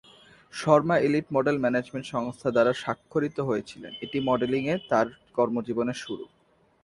Sharma elite model management সংস্থা দ্বারা স্বাক্ষরিত হয়েছিলেন, এটি ছিল মডেলিংয়ে তার কর্মজীবনের শুরু।